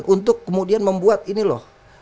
untuk kemudian membuat ini loh